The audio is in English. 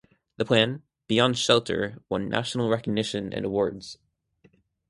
The plan, Beyond Shelter, won national recognition and awards.